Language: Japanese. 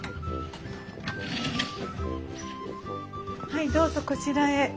はいどうぞこちらへ。